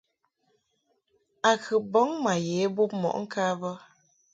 A kɨ bɔŋ ma ye bub mɔʼ ŋka bə.